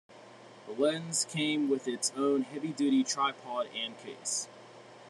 The lens came with its own heavy-duty tripod and case.